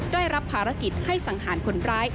ได้รับภารกิจให้สังหารคนร้าย